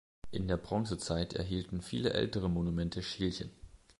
In der Bronzezeit erhielten viele ältere Monumente Schälchen.